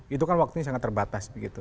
itu kan waktunya sangat terbatas begitu